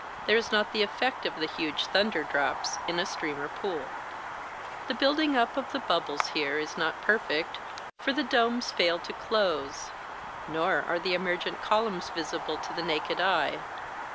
There is not the effect of the huge thunder drops in a stream or pool. The building up of the bubbles is not here perfect, for the domes fail to close, nor are the emergent columns visible to the naked eye.